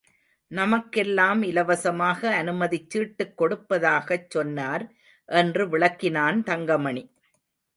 நமக்கெல்லாம் இலவசமாக அனுமதிச்சீட்டுக் கொடுப்பதாகச் சொன்னார் என்று விளக்கினான் தங்கமணி.